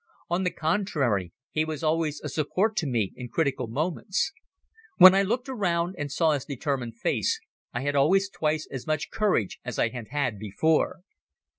On the contrary he was always a support to me in critical moments. When I looked around and saw his determined face I had always twice as much courage as I had had before.